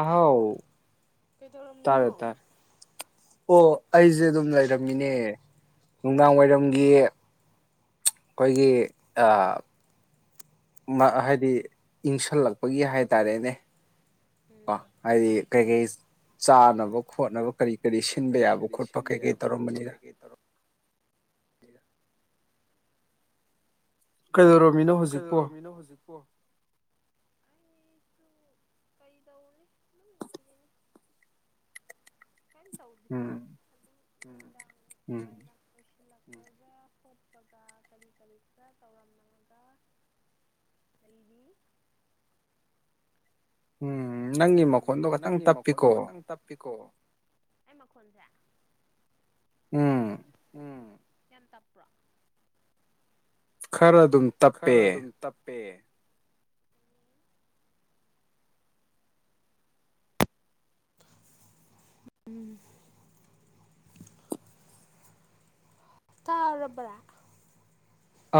ꯑꯍꯥꯎ ꯇꯥꯔꯦ ꯀꯩꯗꯧꯔꯝꯃꯤꯅꯣ ꯇꯥꯔꯦ꯫ ꯑꯣ ꯑꯩꯖꯦ ꯑꯗꯨꯝ ꯂꯩꯔꯝꯃꯤꯅꯦ ꯅꯨꯡꯗꯥꯡ ꯋꯥꯏꯔꯝꯒꯤ ꯎꯝ ꯑꯩꯈꯣꯏꯒꯤ ꯑꯥ ꯃꯥ-ꯍꯥꯏꯗꯤ ꯏꯪꯁꯜꯂꯛꯄꯒꯤ ꯍꯥꯏꯇꯥꯔꯦꯅꯦ ꯀꯣ ꯎꯝ ꯍꯥꯏꯗꯤ ꯀꯩ ꯀꯩ ꯆꯥꯅꯕ ꯈꯣꯠꯅꯕ ꯀꯔꯤ ꯀꯔꯤ ꯁꯤꯟꯕ ꯀꯔꯤ ꯌꯥꯕ ꯀꯔꯤ ꯈꯣꯠꯄ ꯀꯩ ꯁꯤꯟꯕ ꯀꯩ ꯌꯥꯕ ꯈꯣꯠꯄ ꯇꯧꯔꯝꯕꯅꯤꯗꯥ꯫ ꯀꯩꯀꯩ ꯇꯧꯔꯝꯃꯤꯔ ꯀꯔꯤ ꯀꯩꯗꯧꯔꯝꯃꯤꯅꯣ ꯀꯔꯤ ꯍꯧꯖꯤꯛꯄꯣ ꯀꯩꯗꯧꯔꯝꯃꯤꯅꯣ ꯍꯨꯖꯤꯛꯄꯣ꯫ ꯀꯔꯤ ꯇꯧꯔꯨꯅꯤ ꯀꯌꯤꯝ ꯇꯧꯗꯦ ꯎꯝ ꯅꯨꯡꯗꯥꯡ ꯎꯝ ꯂꯣꯏꯁꯤꯜꯂꯛꯄꯒ ꯈꯣꯠꯄꯒ ꯀꯔꯤ ꯀꯔꯤ ꯈꯔ ꯇꯧꯔꯝꯕꯅꯤꯗꯥ꯫ ꯑꯗꯨꯗꯤ ꯎꯝ ꯅꯪꯒꯤ ꯎꯝ ꯃꯈꯣꯟꯗꯣ ꯈꯇꯪ ꯅꯪꯒꯤ ꯃꯈꯣꯟꯗꯣ ꯇꯞꯄꯤꯀꯣ ꯈꯇꯪ ꯇꯞꯄꯤꯀꯣ ꯑꯩ ꯃꯈꯣꯟꯁꯦ ꯎꯝ ꯌꯥꯝ ꯇꯞꯄ꯭ꯔꯣ ꯈꯔ ꯑꯗꯨꯝ ꯇꯞꯄꯦ ꯈꯔ ꯑꯗꯨꯝ ꯇꯞꯄꯦ ꯎꯝ ꯇꯔꯕ꯭ꯔꯥ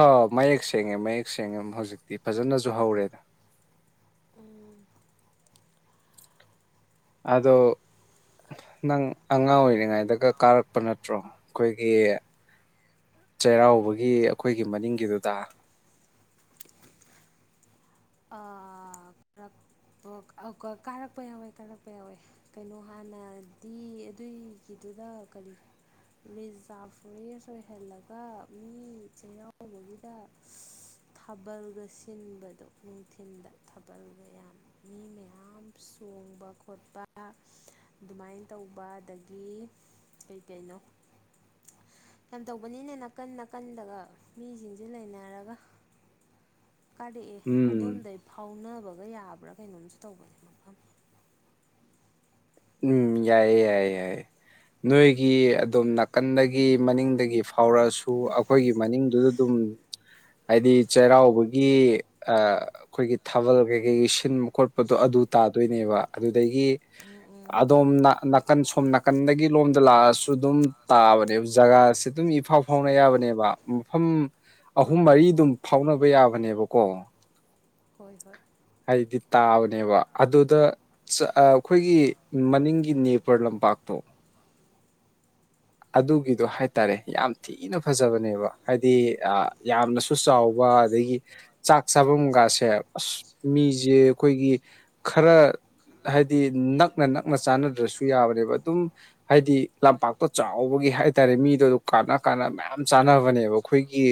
ꯑꯥ ꯃꯌꯦꯛ ꯁꯦꯡꯉꯦ ꯃꯌꯦꯛ ꯁꯦꯡꯉꯦ ꯍꯧꯖꯤꯛꯇꯤ ꯐꯖꯅꯁꯨ ꯍꯧꯔꯦꯗ ꯎꯝ ꯑꯗꯣ ꯅꯪ ꯑꯉꯥꯡ ꯑꯣꯏꯔꯤꯉꯩꯗꯒ ꯀꯥꯔꯛꯄ ꯅꯠꯇ꯭ꯔꯣ ꯑꯩꯈꯣꯏꯒꯤ ꯆꯩꯔꯥꯎꯕꯒꯤ ꯑꯩꯈꯣꯏꯒꯤ ꯃꯅꯤꯡꯒꯤꯗꯨꯗ ꯀꯥꯔꯛꯄ ꯀꯥꯔꯛꯄ ꯌꯥꯎꯋꯦ ꯀꯥꯔꯛꯄ ꯌꯥꯎꯋꯦ ꯀꯩꯅꯣ ꯍꯥꯟꯅꯗꯤ ꯑꯗꯨꯏꯒꯤꯗꯨꯗ ꯀꯔꯤ ꯔꯤꯖꯥꯚ ꯐꯣꯔꯦꯁ ꯑꯣꯏꯍꯜꯂꯒ ꯃꯤ ꯆꯩꯔꯎꯕꯒꯤꯗ ꯊꯥꯕꯜꯒ ꯁꯤꯟꯕꯗꯣ ꯅꯨꯡꯊꯤꯟꯜꯗ ꯊꯥꯕꯜ ꯃꯌꯥꯝ ꯃꯤ ꯃꯌꯥꯝ ꯆꯣꯡꯕ ꯈꯣꯠꯄ ꯑꯗꯨꯃꯥꯏꯅ ꯇꯧꯕ ꯑꯗꯒꯤ ꯀꯩꯀꯩꯅꯣ ꯌꯥꯝ ꯇꯧꯕꯅꯤꯅꯦ ꯅꯥꯀꯟ ꯅꯥꯀꯟꯗꯒ ꯃꯤꯁꯤꯡꯁꯨ ꯂꯩꯅꯔꯒ ꯀꯥꯔꯛꯑꯦ ꯎꯝ ꯑꯗꯣꯝꯗꯒꯤꯩ ꯐꯥꯎꯅꯕꯒ ꯌꯥꯕ꯭ꯔꯥ ꯀꯩꯅꯣꯝꯁꯨ ꯇꯧꯕꯅꯦ ꯃꯐꯝ ꯎꯝ ꯌꯥꯏꯌꯦ ꯌꯥꯏꯑꯌꯦ ꯌꯥꯏꯌꯦ ꯅꯣꯏꯒꯤ ꯑꯗꯨꯝ ꯅꯥꯀꯟꯗꯒꯤ ꯃꯅꯤꯡꯗꯒꯤ ꯐꯥꯎꯔꯛꯑꯁꯨ ꯑꯩꯈꯣꯏꯒꯤ ꯃꯅꯤꯡꯗꯨꯗ ꯑꯗꯨꯝ ꯍꯥꯏꯗꯤ ꯆꯩꯔꯥꯎꯕꯒꯤ ꯑꯩꯈꯣꯏꯒꯤ ꯊꯥꯕꯜ ꯀꯩꯀꯩꯒꯤ ꯁꯤꯟꯕ ꯈꯣꯠꯄꯗꯣ ꯑꯗꯨ ꯇꯥꯗꯣꯏꯅꯦꯕ ꯑꯗꯨꯗꯒꯤ ꯎꯝ ꯎꯝ ꯑꯗꯣꯝ ꯅꯥꯀꯟ ꯁꯣꯝ ꯅꯥꯀꯟꯗꯒꯤ ꯂꯣꯝꯗ ꯂꯥꯛꯑꯁꯨ ꯑꯗꯨꯝ ꯇꯥꯕꯅꯦꯕ ꯖꯒꯥꯁꯤ ꯑꯗꯨꯝ ꯏꯐꯥꯎ ꯐꯥꯎꯅ ꯌꯥꯕꯅꯦꯕ ꯃꯐꯝ ꯑꯣ ꯑꯍꯨꯝ ꯑꯣ ꯃꯔꯤ ꯑꯣ ꯑꯗꯨꯝ ꯐꯥꯎꯅꯕ ꯌꯥꯕꯅꯦꯕꯀꯣ ꯍꯣꯏ ꯍꯣꯏ ꯍꯥꯏꯗꯤ ꯇꯥꯕꯅꯦꯕ ꯑꯗꯨꯗ ꯑꯩꯈꯣꯏꯒꯤ ꯃꯅꯤꯡꯒꯤ ꯅꯅꯤꯄꯔ ꯂꯝꯄꯥꯛꯇꯣ ꯑꯗꯨꯒꯤꯗꯣ ꯍꯥꯏꯇꯥꯔꯦ ꯌꯥꯝ ꯊꯤ ꯊꯤꯅ ꯐꯖꯕꯅꯦꯕ ꯍꯥꯏꯗꯤ ꯌꯥꯝꯅꯁꯨ ꯆꯥꯎꯕ ꯑꯗꯒꯤ ꯆꯥꯛ ꯆꯥꯐꯝꯒꯥꯁꯦ ꯑꯁ ꯃꯤꯁꯦ ꯑꯩꯈꯣꯏꯒꯤ ꯈꯔ ꯍꯥꯏꯗꯤ ꯅꯛꯅ ꯅꯛꯅ ꯆꯥꯅꯗ꯭ꯔꯁꯨ ꯌꯥꯕꯅꯦꯕ ꯑꯗꯨꯝ ꯍꯥꯏꯗꯤ ꯂꯝꯄꯥꯛꯇꯣ ꯆꯥꯎꯕꯒꯤ ꯍꯥꯏꯇꯥꯔꯦ ꯃꯤꯗꯣ ꯑꯗꯨ ꯀꯥꯟꯅ ꯀꯥꯟꯅ ꯃꯌꯥꯝ ꯆꯥꯅꯕꯅꯦꯕ ꯑꯩꯈꯣꯏꯒꯤ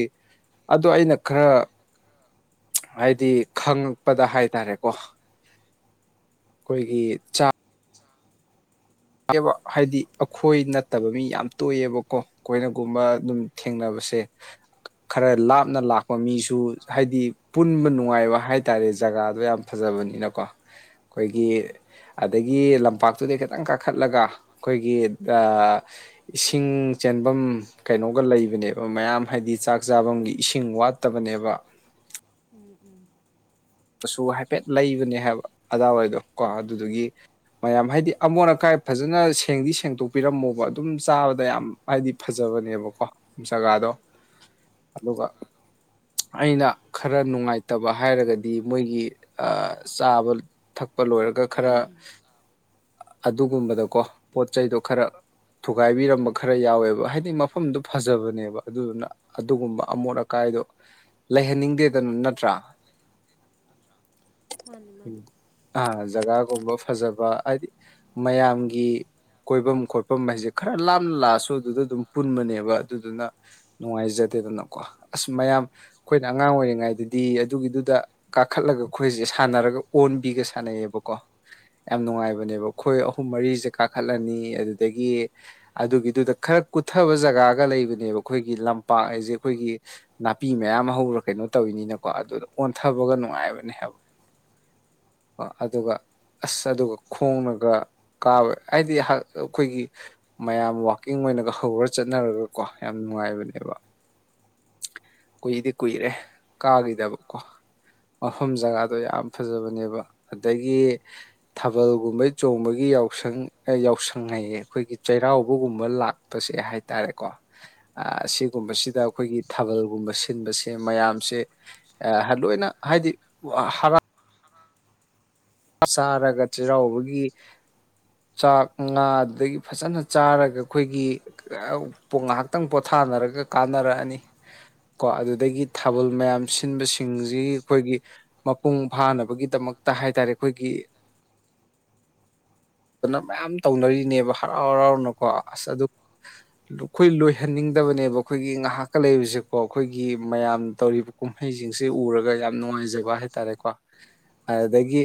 ꯑꯗꯣ ꯑꯩꯅ ꯈꯔ ꯍꯥꯏꯗꯤ ꯈꯉꯛꯄꯗ ꯍꯥꯏꯇꯥꯔꯦꯀꯣ ꯑꯩꯈꯣꯏꯒꯤ ꯆꯥꯛ ꯕ ꯍꯥꯏꯗꯤ ꯑꯩꯈꯣꯏ ꯅꯠꯇꯕ ꯃꯤ ꯌꯥꯝ ꯇꯣꯏꯑꯦꯕꯀꯣ ꯀꯣꯏꯅꯒꯨꯝꯕ ꯑꯗꯨꯝ ꯊꯦꯡꯅꯕꯁꯦ ꯈꯔ ꯂꯥꯞꯅ ꯂꯥꯛꯄ ꯃꯤꯁꯨ ꯍꯥꯏꯗꯤ ꯄꯨꯟꯕ ꯅꯨꯡꯉꯥꯏꯕ ꯍꯥꯏ ꯇꯔꯦ ꯖꯒꯥꯗꯣ ꯌꯥꯝ ꯐꯖꯕꯅꯤꯅꯀꯣ ꯑꯩꯈꯣꯏꯒꯤ ꯑꯗꯒꯤ ꯂꯝꯄꯥꯛꯇꯨꯗꯤ ꯈꯤꯇꯪ ꯀꯛ ꯀꯥꯈꯠꯂꯒ ꯑꯩꯈꯣꯏꯒꯤ ꯏꯁꯤꯡ ꯆꯦꯟꯐꯝ ꯀꯩꯅꯣꯒ ꯂꯩꯕꯅꯦꯕ ꯃꯌꯥꯝ ꯍꯥꯏꯗꯤ ꯆꯥꯛ ꯆꯥꯐꯝꯒꯤ ꯏꯁꯤꯡ ꯋꯥꯠꯇꯕꯅꯦꯕ ꯎꯝ ꯎꯝ ꯀꯁꯨ ꯍꯥꯏꯐꯦꯠ ꯂꯩꯕꯅꯦ ꯍꯥꯏꯕ ꯑꯗꯥꯥ ꯍꯣꯏꯗꯣ ꯀꯣ ꯑꯗꯨꯒꯤ ꯃꯌꯥꯝ ꯍꯥꯏꯗꯤ ꯑꯃꯣꯠ ꯑꯀꯥꯏ ꯐꯖꯅ ꯁꯦꯡꯗꯤ ꯁꯦꯡꯗꯣꯛꯄꯤꯔꯝꯃꯣꯕ ꯑꯗꯨꯝ ꯆꯥꯕꯗ ꯌꯥꯝ ꯍꯥꯏꯗꯤ ꯐꯖꯕꯅꯦꯕꯀꯣ ꯖꯒꯥꯗꯣ ꯑꯗꯨꯒ ꯑꯩꯅ ꯈꯔ ꯅꯨꯡꯉꯥꯏꯇꯕ ꯍꯥꯏꯔꯒꯗꯤ ꯍꯥꯏꯗꯤ ꯃꯣꯏꯒꯤ ꯆꯥꯕ ꯊꯛꯄ ꯂꯣꯏꯔꯒ ꯈꯔ ꯑꯗꯨꯒꯨꯝꯕꯗꯀꯣ ꯄꯣꯠ ꯆꯩꯗꯣ ꯈꯔ ꯊꯨꯒꯥꯏꯕꯤꯔꯝꯕ ꯈꯔ ꯌꯥꯎꯋꯦꯕ ꯍꯥꯏꯗꯤ ꯃꯐꯝꯗꯨ ꯐꯖꯕꯅꯦꯕ ꯑꯗꯨꯗꯨꯅ ꯑꯗꯨꯒꯨꯝꯕ ꯑꯃꯣꯠ ꯑꯀꯥꯏꯗꯣ ꯂꯩꯍꯟꯅꯤꯡꯗꯦꯗꯟ ꯅꯠꯇ꯭ꯔꯥ ꯃꯥꯅꯤ ꯃꯥꯅꯤ ꯑ ꯖꯒꯥ ꯒꯨꯝꯕ ꯐꯖꯕ ꯑꯥꯏꯗꯤ ꯃꯌꯥꯝꯒꯤ ꯀꯣꯏꯕꯝ ꯈꯣꯠꯄꯝ ꯍꯥꯏꯖꯦ ꯈꯔ ꯂꯥꯞꯟ ꯂꯥꯑꯁꯨ ꯑꯗꯨꯗ ꯑꯗꯨꯝ ꯄꯨꯟꯕꯅꯦꯕ ꯑꯗꯨꯗꯨꯅ ꯅꯨꯡꯉꯥꯏꯖꯗꯦꯗꯅꯀꯣ ꯑꯁ ꯃꯌꯥꯝ ꯑꯈꯣꯏꯅ ꯑꯉꯥꯡ ꯑꯣꯏꯔꯤꯉꯩꯗꯗꯤ ꯑꯗꯨꯒꯤꯗꯨꯗ ꯀꯥꯈꯠꯂꯒ ꯈꯣꯏꯖꯦ ꯁꯥꯟꯅꯔꯒ ꯑꯣꯟꯕꯤꯒ ꯁꯥꯟꯅꯩꯌꯦꯕꯀꯣ ꯌꯥꯝ ꯅꯨꯡꯉꯥꯏꯕꯅꯦꯕ ꯈꯣꯏ ꯑꯍꯨꯝ ꯃꯔꯤꯁꯦ ꯀꯥꯈꯠꯂꯅꯤ ꯑꯗꯨꯗꯒꯤ ꯑꯗꯨꯒꯤꯗꯨꯗ ꯈꯔ ꯀꯨꯠꯊꯕ ꯖꯒꯥꯒ ꯂꯩꯕꯅꯦꯕ ꯑꯩꯈꯣꯏꯒꯤ ꯂꯝꯄꯥꯛ ꯑꯥꯏꯖꯦ ꯑꯩꯈꯣꯏꯒꯤ ꯅꯥꯄꯤ ꯃꯌꯥꯝ ꯍꯧꯔ ꯀꯩꯅꯣ ꯇꯧꯋꯤꯅꯤꯅꯀꯣ ꯑꯗꯨꯗ ꯑꯣꯟꯊꯕꯒ ꯅꯨꯡꯉꯥꯏꯕꯅꯦ ꯍꯥꯏꯕ ꯕ ꯑꯗꯨꯒ ꯑꯁ ꯑꯗꯨꯒ ꯈꯣꯡꯅꯒ ꯀꯥꯕ ꯍꯥꯏꯗꯤ ꯍꯛ ꯑꯈꯣꯏꯒꯤ ꯃꯌꯥꯝ ꯋꯥꯛꯀꯤꯡ ꯑꯣꯏꯅꯒ ꯍꯧꯔ ꯆꯠꯅꯔꯒ ꯀꯣ ꯌꯥꯝ ꯅꯨꯡꯉꯥꯏꯕꯅꯦꯕ ꯀꯨꯏꯗꯤ ꯀꯨꯏꯔꯦ ꯀꯥꯒꯤꯗꯕ ꯀꯣ ꯃꯐꯝ ꯖꯒꯥꯗꯣ ꯌꯥꯝ ꯐꯖꯕꯅꯦꯕ ꯑꯗꯒꯤ ꯊꯥꯕꯜꯒꯨꯝꯕꯩ ꯆꯣꯡꯕꯒꯤ ꯌꯥꯎꯁꯪ ꯑꯦ ꯌꯥꯎꯁꯪ ꯍꯥꯏꯌꯦ ꯑꯈꯣꯏꯒꯤ ꯆꯩꯔꯥꯎꯕꯒꯨꯝꯕ ꯂꯥꯛ ꯇꯁꯦ ꯍꯥꯏꯇꯥꯔꯦꯀꯣ ꯑꯁꯤꯒꯨꯝꯕꯁꯤꯗ ꯑꯩꯈꯣꯏꯒꯤ ꯊꯥꯕꯜꯒꯨꯝꯕ ꯁꯤꯟꯕꯁꯦ ꯃꯌꯥꯝꯁꯦ ꯑ ꯍꯜꯂꯣꯏꯅ ꯍꯥꯏꯗꯤ ꯋꯌꯔꯥ ꯍꯍ ꯆꯥꯔꯒ ꯆꯩꯔꯥꯎꯕꯒꯤ ꯆꯥꯛ ꯉꯥ ꯑꯗꯨꯗꯒꯤ ꯐꯖꯅ ꯆꯥꯔꯒ ꯑꯈꯣꯏꯒꯤ ꯑꯨꯄꯣ ꯉꯥꯍꯥꯛꯇꯪ ꯄꯣꯊꯥꯅꯔꯒ ꯀꯥꯟꯅꯔꯛꯑꯅꯤ ꯀꯣ ꯑꯗꯨꯗꯒꯤ ꯊꯥꯕꯜ ꯃꯌꯥꯝ ꯁꯤꯟꯕꯁꯤꯡꯖꯤ ꯑꯈꯣꯏꯒꯤ ꯃꯄꯨꯡ ꯐꯥꯅꯕꯒꯤꯗꯃꯛꯇ ꯍꯥꯏꯇꯥꯔꯦ ꯑꯈꯣꯏꯒꯤ ꯑꯅ ꯃꯌꯥꯝ ꯇꯧꯅꯔꯤꯅꯦꯕ ꯍꯔꯥꯎ ꯍꯔꯥꯎꯅꯀꯣ ꯑꯁ ꯑꯗꯨ ꯂꯨꯈꯣꯏ ꯂꯣꯏꯍꯟꯅꯤꯡꯗꯕꯅꯦꯕ ꯑꯈꯣꯏꯒꯤ ꯉꯥꯍꯥꯛꯀ ꯂꯩꯔꯤꯕꯁꯤꯀꯣ ꯑꯈꯣꯏꯒꯤ ꯃꯌꯥꯝ ꯇꯧꯔꯤꯕ ꯀꯨꯝꯍꯩꯖꯤꯡꯁꯦ ꯎꯔꯒ ꯌꯥꯝ ꯅꯨꯡꯉꯥꯏꯖꯕ ꯍꯥꯏꯇꯥꯔꯦꯀꯣ ꯑꯥꯏ ꯑꯗꯒꯤ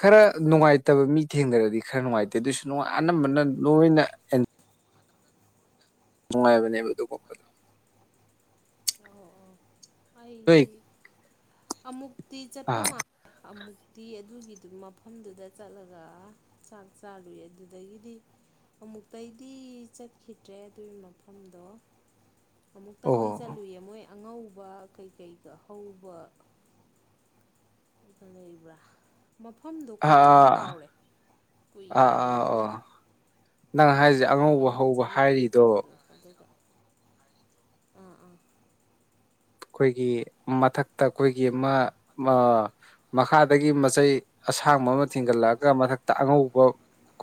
ꯈꯔ ꯅꯨꯡꯉꯥꯏꯇꯕ ꯃꯤ ꯊꯦꯡꯅꯔꯗꯤ ꯈꯔ ꯅꯨꯡꯉꯥꯏꯇꯦ ꯑꯗꯨꯏꯁꯨ ꯅꯨꯡꯉ ꯑꯅꯝꯕꯅ ꯂꯣꯏꯅ ꯑꯦꯟ ꯅꯨꯡꯉꯥꯏꯕꯅꯦꯕ ꯑꯗꯨꯕꯣꯛꯇꯥ ꯑꯧ ꯑꯣ ꯅꯣꯏ ꯑꯩꯗꯤ ꯑꯃꯨꯛꯇꯤ ꯆꯠꯄ ꯑꯥ ꯃꯥ ꯑꯃꯨꯛꯇꯤ ꯑꯗꯨꯒꯤꯗꯨ ꯃꯐꯝꯗꯨꯗ ꯆꯠꯂꯒ ꯆꯥꯛ ꯆꯥꯔꯨꯏ ꯑꯗꯨꯗꯒꯤꯗꯤ ꯑꯃꯨꯛꯇꯩꯗꯤ ꯆꯠꯈꯤꯗ꯭ꯔꯦ ꯑꯗꯨꯏ ꯃꯐꯝꯗꯣ ꯑꯣ ꯑꯃꯨꯛꯇꯪꯗꯤ ꯆꯠꯂꯨꯌꯦ ꯃꯣꯏ ꯑꯉꯧꯕ ꯀꯩ ꯀꯩꯒ ꯍꯧꯕ ꯂꯩꯕ꯭ꯔꯥ ꯃꯐꯝꯗꯣ ꯑꯥ ꯀꯥꯎꯗꯤ ꯑꯥ ꯀꯥꯎꯔꯦ ꯑꯥ ꯑꯥ ꯀꯨꯏꯔꯕꯅꯤꯅ ꯑꯣ ꯅꯪ ꯍꯥꯏꯖꯦ ꯑꯉꯧꯕ ꯑꯩꯅ ꯍꯧꯕ ꯆꯠꯂꯨꯕ ꯍꯥꯏꯔꯤꯗꯣ ꯃꯇꯝꯗꯣ ꯑꯗꯨꯒ ꯑꯈꯣꯏꯒꯤ ꯃꯊꯛꯇ ꯀꯣꯏꯒꯤ ꯑꯃ ꯃꯥ ꯃꯈꯥꯗꯒꯤ ꯃꯆꯩ ꯑꯁꯥꯡꯕ ꯑꯃ ꯊꯤꯡꯒꯠꯂꯛꯑꯒ ꯃꯊꯛꯇ ꯑꯉꯧꯕ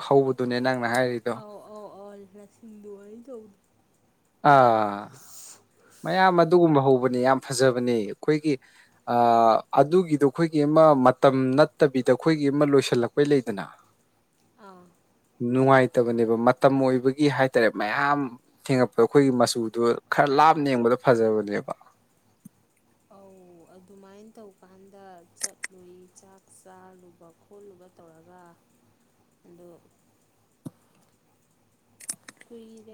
ꯍꯧꯕꯗꯨꯅꯦ ꯅꯪꯅ ꯍꯥꯏꯔꯤꯗꯣ ꯑꯣꯜ ꯂꯁꯤꯡꯒꯤ ꯑꯗꯨꯃꯥꯏ ꯇꯧꯕꯗꯨ ꯑꯥ ꯃꯌꯥꯝ ꯑꯗꯨꯒꯨꯝꯕ ꯍꯧꯕꯅꯦ ꯌꯥꯝ ꯐꯖꯕꯅꯦ ꯑꯩꯈꯣꯏꯒꯤ ꯑ ꯑꯗꯨꯒꯤꯗꯨ ꯑꯈꯣꯏꯒꯤ ꯑꯃ ꯃꯇꯝ ꯅꯠꯇꯕꯤꯗ ꯑꯈꯣꯏꯒꯤ ꯃ ꯂꯣꯏꯁꯤꯜꯂꯛꯄꯩ ꯂꯩꯗꯅ [inaudible] ꯑꯥ ꯅꯨꯡꯉꯥꯏꯇꯕꯅꯦꯕ ꯃꯇꯝ ꯑꯣꯏꯕꯒꯤ ꯍꯥꯏꯇꯥꯔꯦ ꯃꯌꯥꯝ ꯗꯣ ꯑꯩꯈꯣꯏꯒꯤ ꯃꯆꯨꯗꯣ ꯈꯔ ꯂꯥꯞ ꯅ ꯌꯦꯡꯕꯗ ꯐꯖꯕꯅꯦꯕ ꯑꯧ ꯑꯗꯨꯃꯥꯏꯟ ꯇꯧꯀꯥꯟꯗ ꯆꯠꯂꯨꯏ ꯆꯥꯛ ꯆꯥꯔꯨꯕ ꯈꯣꯠꯂꯨꯕ ꯇꯧꯔꯒ ꯑꯗꯣ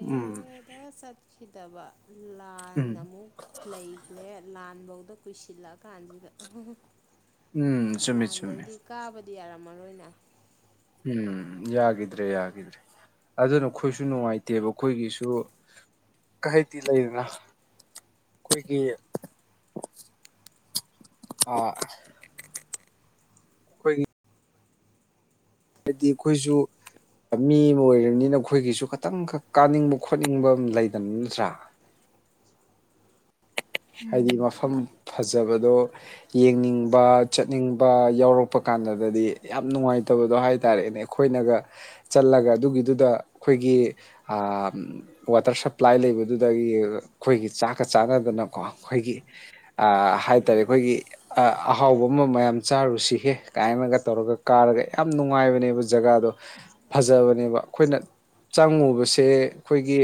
ꯎꯝ ꯆꯠꯈꯤꯗꯕ ꯂꯥꯟ ꯎꯝ ꯑꯃꯨꯛ ꯂꯩꯈꯦ ꯂꯥꯟꯐꯧꯗ ꯀꯨꯏꯁꯤꯜꯂꯛꯑ ꯀꯥꯟꯁꯤꯗ ꯎꯝ ꯆꯨꯝꯃꯦ ꯆꯨꯝꯃꯦ ꯂꯥꯟꯗꯩꯗꯤ ꯀꯥꯕꯗꯤ ꯌꯥꯔꯝꯃꯔꯣꯏꯅ ꯎꯝ ꯌꯥꯒꯤꯗ꯭ꯔꯦ ꯌꯥꯒꯤꯗ꯭ꯔꯦ ꯑꯗꯨꯅ ꯑꯩꯈꯣꯏꯁꯨ ꯅꯨꯡꯉꯥꯏꯇꯦꯕ ꯑꯩꯈꯣꯏꯒꯤꯁꯨ ꯀ ꯍꯥꯏꯗꯤ ꯂꯩꯗꯅ ꯑꯩꯈꯣꯏꯒꯤ ꯑ [unintelligible] ꯍꯥꯏꯗꯤ ꯑꯩꯈꯣꯏꯖꯨ ꯃꯤ ꯑꯃ ꯑꯣꯏꯔꯝꯅꯤꯅ ꯑꯩꯈꯣꯏꯒꯤꯁꯨ ꯈꯇꯪꯈꯛ ꯀꯥꯅꯤꯡꯕ ꯈꯣꯠꯅꯤꯡꯕ ꯑꯃ ꯂꯩꯗꯅ ꯅꯠꯇ꯭ꯔꯥ ꯍꯥꯏꯗꯤ ꯃꯐꯝ ꯐꯖꯕꯗꯣ ꯌꯦꯡꯅꯤꯡꯕ ꯆꯠꯅꯤꯡꯕ ꯌꯥꯎꯔꯛꯄ ꯀꯥꯟꯗꯒꯗꯤ ꯌꯥꯝ ꯅꯨꯡꯉꯥꯏꯇꯕꯗꯣ ꯍꯥꯏꯇꯥꯔꯦꯅꯦ ꯑꯩꯈꯣꯏꯅꯒ ꯆꯠꯂꯒ ꯑꯗꯨꯒꯤꯗꯨꯗ ꯑꯩꯈꯣꯏꯒꯤ ꯋꯥꯇꯔ ꯁꯄ꯭ꯂꯥꯏ ꯂꯩꯕꯗꯨꯗꯒꯤ ꯑꯩꯈꯣꯏꯒꯤ ꯆꯥꯛꯀ ꯆꯥꯟꯅꯗꯅꯀꯣ ꯑꯩꯈꯣꯏꯒꯤ ꯑ ꯍꯥꯏꯇꯥꯔꯦ ꯎꯝ ꯑꯩꯈꯣꯏꯒꯤ ꯑꯍꯥꯎꯕ ꯑꯃ ꯃꯌꯥꯝ ꯆꯥꯔꯨꯁꯤꯍꯦ ꯀꯥꯏꯅꯒ ꯇꯧꯔꯒ ꯀꯥꯔꯒ ꯌꯥꯝ ꯅꯨꯡꯉꯥꯏꯕꯅꯦꯕ ꯖꯒꯥꯗꯣ ꯐꯖꯕꯅꯦꯕ ꯑꯩꯈꯣꯏꯅ ꯆꯪꯉꯨꯕꯁꯦ ꯑꯩꯈꯣꯏꯒꯤ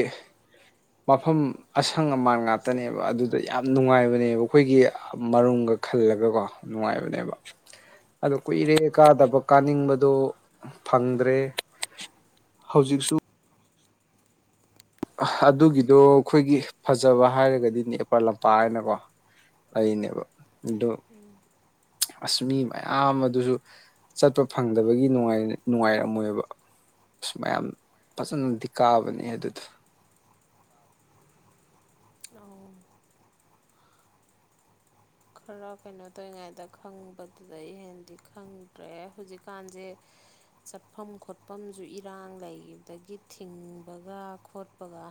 ꯃꯐꯝ ꯑꯁꯪ ꯑꯃꯥꯟ ꯉꯥꯛꯇꯅꯦꯕ ꯑꯗꯨ ꯑꯗ ꯌꯥꯝ ꯅꯨꯡꯉꯥꯏꯕꯅꯦꯕ ꯑꯩꯈꯣꯏꯒꯤ ꯃꯔꯨꯝꯒ ꯈꯜꯂꯒꯀꯣ ꯅꯨꯡꯉꯥꯏꯕꯅꯦꯕ ꯑꯗꯣ ꯀꯨꯏꯔꯦ ꯀꯥꯗꯕ ꯀꯥꯅꯤꯡꯕꯗꯣ ꯐꯪꯗ꯭ꯔꯦ ꯍꯧꯖꯤꯛꯁꯨ ꯑꯗꯨꯒꯤꯗꯣ ꯑꯩꯈꯣꯏꯒꯤ ꯐꯖꯕ ꯍꯥꯏꯔꯒꯗꯤ ꯅꯦꯄꯥꯜ ꯂꯝꯄꯥꯛ ꯍꯥꯏꯅꯀꯣ ꯑꯩꯅꯦꯕ ꯑꯗꯣ ꯎꯝ ꯑꯁ ꯃꯤ ꯃꯌꯥꯝ ꯑꯗꯨꯖꯨ ꯆꯠꯄ ꯐꯪꯗꯕꯒꯤ ꯅꯨꯡꯉꯥꯏ ꯅꯨꯡꯉꯥꯏꯔꯝꯃꯣꯏꯕ ꯁꯨ ꯃꯌꯥꯝ ꯐꯖꯅꯗꯤ ꯀꯥꯕꯅꯦ ꯑꯗꯨꯗꯣ [unintelligible] ꯈꯔ ꯀꯩꯅꯣ ꯇꯧꯔꯤꯉꯩꯗ ꯈꯪꯕꯗꯨꯗ ꯏꯍꯦꯟꯗꯤ ꯈꯪꯗ꯭ꯔꯦ ꯍꯧꯖꯤꯛꯀꯥꯟꯖꯦ ꯆꯠꯐꯝ ꯈꯣꯠꯐꯝꯖꯨ ꯏꯔꯥꯡ ꯂꯩꯕꯗꯒꯤ ꯊꯤꯡꯕꯒ ꯈꯣꯠꯄꯒ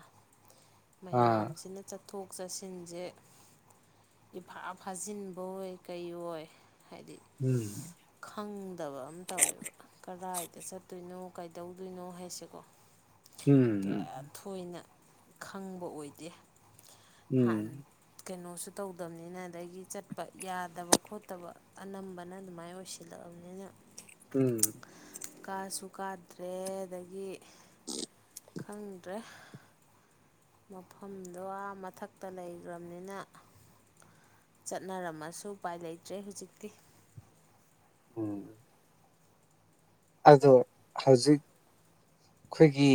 ꯑꯥ ꯃꯌꯥꯝꯁꯤꯅ ꯆꯠꯊꯣꯛ ꯆꯠꯁꯤꯟꯖꯦ ꯏꯐꯥ ꯐꯥꯖꯤꯟꯕ ꯑꯣꯏ ꯀꯩꯑꯣ ꯑꯣꯏ ꯍꯥꯏꯗꯤ ꯎꯝ ꯈꯪꯗꯕ ꯑꯃ ꯇꯧꯋꯦꯕ ꯀꯗꯥꯏꯗ ꯆꯠ ꯇꯣꯏꯅꯣ ꯀꯩꯗꯧꯗꯣꯏꯅꯣ ꯍꯥꯏꯁꯦꯀꯣ ꯎꯝ [unintelligible] ꯊꯣꯏꯅ ꯈꯪꯕ ꯑꯣꯏꯗꯦ ꯎꯝ ꯍꯥꯟꯅ ꯀꯩꯅꯣꯁꯨ ꯇꯧꯗꯕꯅꯤꯅ ꯑꯗꯒꯤ ꯆꯠꯄ ꯌꯥꯗꯕ ꯈꯣꯠꯇꯕ ꯑꯅꯝꯕꯅ ꯑꯗꯨꯃꯥꯏꯅ ꯑꯣꯏꯁ [unintelligible] ꯎꯝ ꯀꯥꯁꯨ ꯀꯥꯗ꯭ꯔꯦ ꯑꯗꯒꯤ ꯈꯪꯗ꯭ꯔꯦ ꯃꯐꯝꯗꯣ ꯑꯥ ꯃꯊꯛꯇ ꯂꯩꯒ꯭ꯔꯝꯅꯤꯅ ꯆꯠꯅꯔꯝꯃꯁꯨ ꯎꯄꯥꯏ ꯂꯩꯇ꯭ꯔꯦ ꯍꯧꯖꯤꯛꯇꯤ ꯎꯝ ꯑꯗꯣ ꯍꯧꯖꯤꯛ ꯑꯩꯈꯣꯏꯒꯤ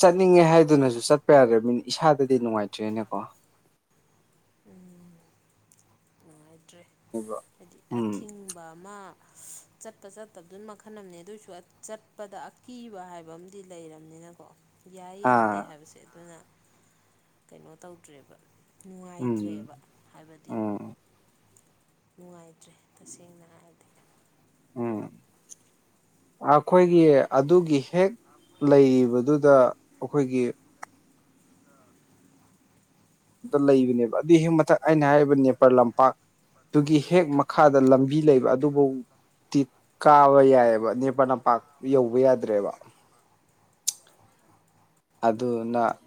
ꯆꯠꯅꯤꯡꯉꯦ ꯍꯥꯏꯗꯨꯅꯁꯨ ꯆꯠꯄ ꯌꯥꯔ ꯃꯤꯅꯤ ꯏꯁꯥꯗꯗꯤ ꯅꯨꯡꯉꯥꯏꯇ꯭ꯔꯣꯏꯅꯦꯀꯣ ꯅꯨꯡꯉꯥꯏꯇ꯭ꯔꯦ ꯍꯥꯏꯗꯤ ꯎꯝ ꯑꯊꯤꯡ ꯑꯃ ꯆꯠꯄ ꯆꯠꯇꯕꯗꯨꯅ ꯃꯈꯜ ꯑꯃꯅꯤꯅꯦ ꯑꯗꯨꯑꯣꯏꯁꯨ ꯆꯠꯄꯗ ꯀꯤꯕ ꯍꯥꯏꯕ ꯑꯃꯗꯤ ꯂꯩꯔꯕꯅꯤꯅꯀꯣ ꯌꯥꯏ ꯌꯥꯗꯦ ꯑꯥ ꯍꯥꯏꯕꯁꯦ ꯑꯗꯨꯅ ꯀꯩꯅꯣ ꯇꯧꯗ꯭ꯔꯦꯕ ꯎꯝ ꯅꯨꯡꯉꯥꯏꯇ꯭ꯔꯦꯕ ꯍꯥꯏꯕꯗꯤ ꯎꯝ ꯅꯨꯡꯉꯥꯏꯇ꯭ꯔꯦ ꯇꯁꯦꯡꯅ ꯍꯥꯏꯔꯗꯤ ꯎꯝ ꯑꯩꯈꯣꯏꯒꯤ ꯑꯗꯨꯒꯤ ꯍꯦꯛ ꯂꯩꯔꯤꯕꯗꯨꯗ ꯑꯩꯈꯣꯏꯒꯤ ꯑ ꯂꯩꯕꯅꯦꯕ ꯑꯗꯨꯏ ꯍꯦꯛ ꯃꯊꯛ ꯑꯩꯅ ꯍꯥꯏꯔꯤꯕ ꯅꯦꯄꯥꯜ ꯂꯝꯄꯥꯛꯇꯨꯒꯤ ꯍꯦꯛ ꯃꯈꯥꯗ ꯕꯤ ꯂꯩꯕ ꯑꯗꯨꯐꯧꯗꯤꯤ ꯀꯥꯕ ꯌꯥꯏꯑꯕ ꯅꯦꯄ ꯅꯄꯥꯛ ꯌꯧꯕ ꯌꯥꯗ꯭ꯔꯦꯕ ꯑꯗꯨꯅ ꯅꯨꯡꯉ